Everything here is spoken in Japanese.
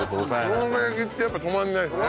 しょうが焼きってやっぱ止まんないっすね。